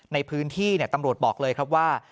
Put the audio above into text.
ในพื้นที่ตำรวจบอกเลยครับว่า